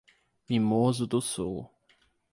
Mimoso do Sul